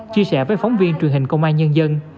chia sẻ với phóng viên truyền hình công an nhân dân